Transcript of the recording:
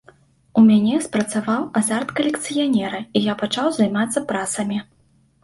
У мяне спрацаваў азарт калекцыянера, і я пачаў займацца прасамі.